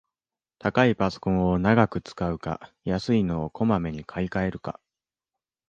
高いパソコンを長く使うか、安いのをこまめに買いかえるか